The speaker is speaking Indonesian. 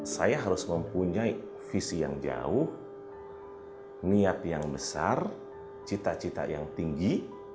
saya harus mempunyai visi yang jauh niat yang besar cita cita yang tinggi